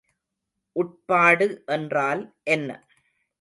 உட்பாடு என்றால் என்ன?